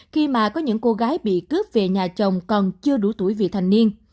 khi mà có những cô gái bị cướp về nhà chồng còn chưa đủ tuổi vì thanh niên